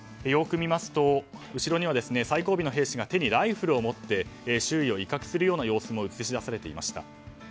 よく見ますと後ろには、最後尾の兵士が手にライフルをもって周囲を威嚇するような様子も映し出されていました。